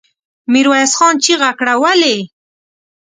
ميرويس خان چيغه کړه! ولې؟